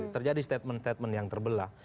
terjadi statement statement yang terbelah